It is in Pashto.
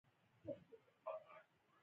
چرګانو ته د خوړلو مناسب ځای جوړول اړین دي.